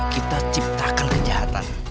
kita ciptakan kejahatan